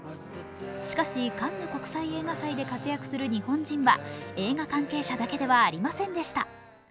しかしカンヌ国際映画祭で活躍する日本人は映画関係者だけではありませんでした。